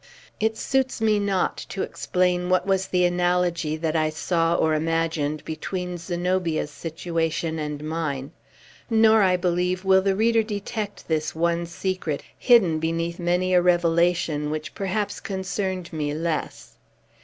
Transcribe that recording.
It suits me not to explain what was the analogy that I saw or imagined between Zenobia's situation and mine; nor, I believe, will the reader detect this one secret, hidden beneath many a revelation which perhaps concerned me less.